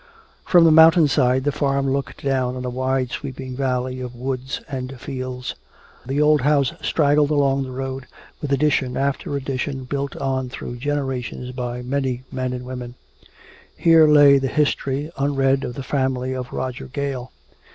From the mountain side the farm looked down on a wide sweeping valley of woods and fields. The old house straggled along the road, with addition after addition built on through generations by many men and women. Here lay the history, unread, of the family of Roger Gale.